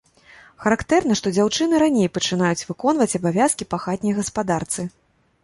Характэрна, што дзяўчыны раней пачынаюць выконваць абавязкі па хатняй гаспадарцы.